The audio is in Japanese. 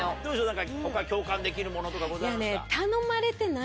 他共感できるものとかございました？